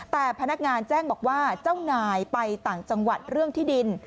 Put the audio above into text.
แต่พนักงานแจ้งบอกว่าเจ้านายไปต่างจังหวัดเรื่องที่ดิน